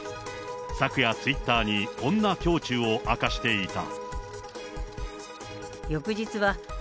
昨夜ツイッターにこんな胸中を明かしていた。